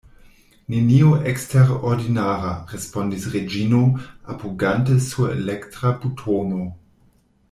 Nenio eksterordinara, respondis Reĝino, apogante sur elektra butono.